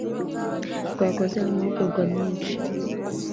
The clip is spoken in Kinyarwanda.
twakoze amahugurwa menshi